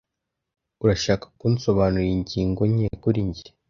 Urashaka kunsobanurira ingingo nke kuri njye?